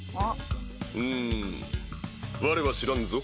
うむわれは知らんぞ？